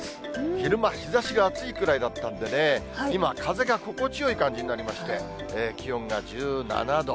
昼間、日ざしが熱いくらいだったんでね、今、風が心地よい感じになりまして、気温が１７度。